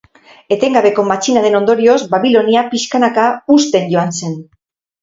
Etengabeko matxinaden ondorioz, Babilonia, pixkanaka, husten joan zen.